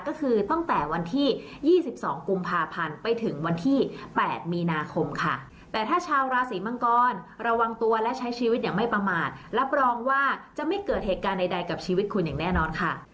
ก็คือตั้งแต่วันที่๒๒กุมภาพันธ์ไปถึงวันที่๘มีนาคมค่ะแต่ถ้าชาวราศีมังกรระวังตัวและใช้ชีวิตอย่างไม่ประมาทรับรองว่าจะไม่เกิดเหตุการณ์ใดกับชีวิตคุณอย่างแน่นอนค่ะ